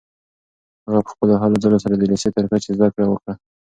هغه په خپلو هلو ځلو سره د لیسې تر کچې زده کړې وکړې.